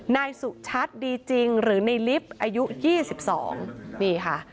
นายสุขชัดดีจริงหรือในลิฟต์อายุยี่สิบสองนี่ค่ะ